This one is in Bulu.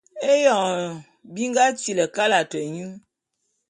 Éyoñ bi nga tili kalate nyô.